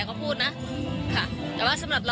มันอาจจะเป็นแก๊สธรรมชาติค่ะ